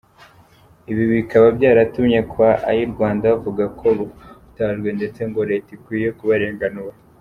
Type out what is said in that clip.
Ibi bikaba byaratumye kwa Ayirwanda bavuga ko bahutajwe ndetse ngo Leta ikwiye kubarenganura.